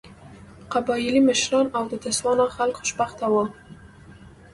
قبایلي مشران او د تسوانا خلک خوشبخته وو.